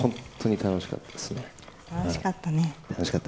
楽しかったですね。